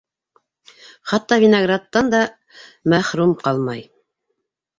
Хатта виноградтан да мәхрүм ҡалмай.